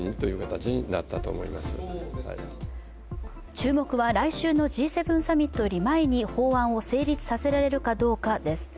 注目は来週のＧ７サミットより前に法案を成立させられるかどうかです。